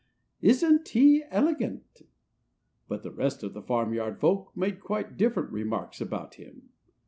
Isn't he elegant?" But the rest of the farmyard folk made quite different remarks about him.